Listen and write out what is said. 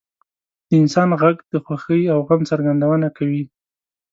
• د انسان ږغ د خوښۍ او غم څرګندونه کوي.